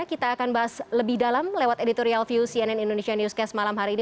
kita akan bahas lebih dalam lewat editorial view cnn indonesia newscast malam hari ini